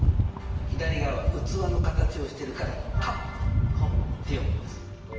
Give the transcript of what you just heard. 左側は器の形をしてるから「カップ」って読むんですよ。